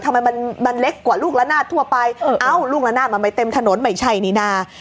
ทำไมมันมันเล็กกว่าลูกละนาดทั่วไปเอ้าลูกละนาดมันไม่เต็มถนนไม่ใช่นี่นา